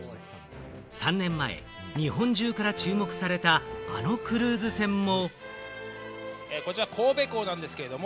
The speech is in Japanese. ３年前、日本中から注目されたあのクルーズ船も。